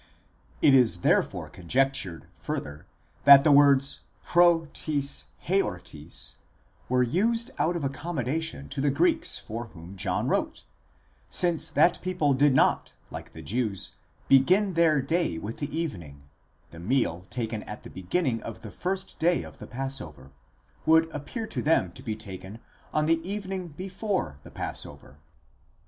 It is therefore conjectured further that the words πρὸ τῆς ἑορτῆς were used out of accommodation to the Greeks for whom John wrote: since that people did not, like the Jews, begin their day with the evening, the meal taken at the beginning of the first day of the passover, would appear to them to be taken on the evening before the passover.